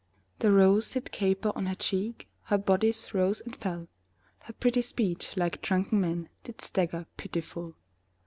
The rose did caper on her cheek, Her bodice rose and fell, Her pretty speech, like drunken men, Did stagger pitiful.